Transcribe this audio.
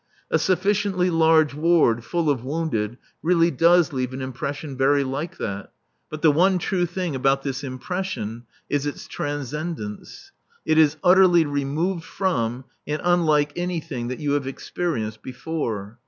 A sufficiently large ward full of wounded really does leave an impression very like that. But the one true thing about this impression is its transcendence. It is utterly removed from and unlike anything that you have experienced before.